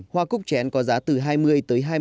hoa cúc chén có giá từ hai mươi tới hai mươi